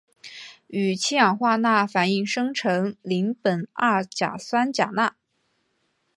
与氢氧化钠反应生成邻苯二甲酸钾钠。